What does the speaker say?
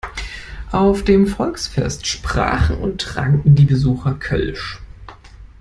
Auf dem Volksfest sprachen und tranken die Besucher Kölsch.